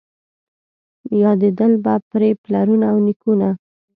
یادېدل به پرې پلرونه او نیکونه